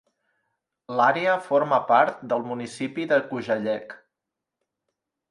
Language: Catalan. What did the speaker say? L'àrea forma part del municipi de Kujalleq.